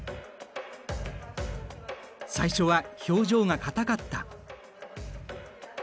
最初は表情が硬かった。